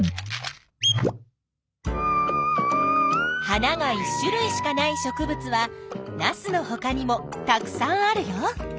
花が１種類しかない植物はナスのほかにもたくさんあるよ。